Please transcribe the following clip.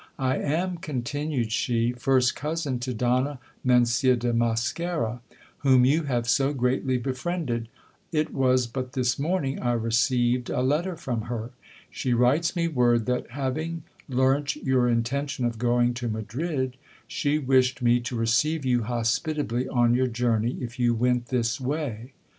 I am, continued she, first cousin to Donna Mencia de Mosquera, whom you have so greatly befriended. I I was but this morning 1 received a letter from her. She writes me word that Laving learnt your intention of going to Madrid, she wished me to receive you hospitably on your journey, if you went this way.